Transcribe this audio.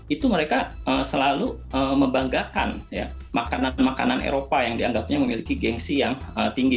itu mereka selalu membanggakan makanan makanan eropa yang dianggapnya memiliki gengsi yang tinggi